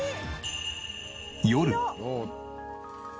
夜。